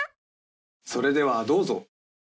それではどうぞ！